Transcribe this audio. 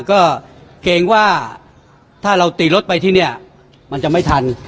ก็เกรงว่าถ้าเราตีรถไปที่เนี่ยมันจะไม่ทัน